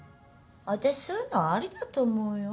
私そういうのありだと思うよ。